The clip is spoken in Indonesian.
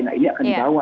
nah ini akan dibawa